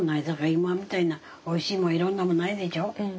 今みたいなおいしいもんいろんなもんないでしょ。